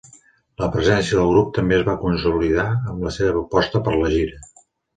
La presència del grup també es va consolidar amb la seva aposta per la gira.